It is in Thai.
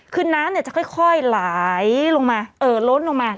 คืนน้ำเนี่ยจะค่อยหลายลงมาเออลดลงมา